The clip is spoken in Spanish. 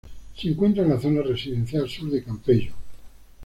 Se encuentra en la zona residencial sur de Campello.